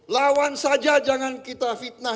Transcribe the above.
lawan saja jangan kita fitnah